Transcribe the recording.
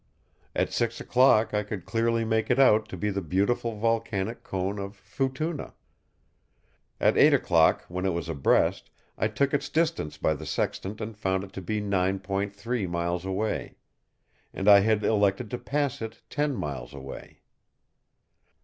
At six o'clock I could clearly make it out to be the beautiful volcanic cone of Futuna. At eight o'clock, when it was abreast, I took its distance by the sextant and found it to be 9.3 miles away. And I had elected to pass it 10 miles away!